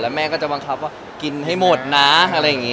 แม่ก็จะบังคับว่ากินให้หมดนะอะไรอย่างนี้